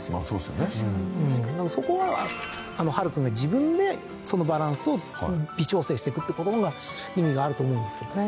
だからそこははるくんが自分でそのバランスを微調整していくって事の方が意味があると思うんですけどね。